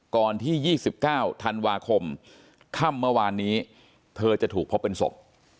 ก่อนที่๒๙ธันวาคมค่ำเมื่อวานนี้เธอจะถูกพบเป็นศพ